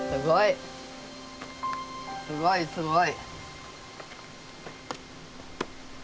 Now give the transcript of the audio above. すごいすごい！